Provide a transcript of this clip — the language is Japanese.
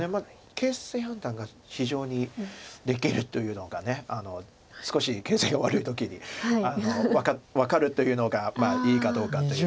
形勢判断が非常にできるというのが少し形勢が悪い時に分かるというのがいいかどうかという。